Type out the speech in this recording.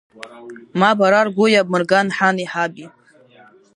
Ма бара ргәы иабмырган ҳани ҳаби.